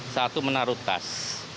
satu menaruh tas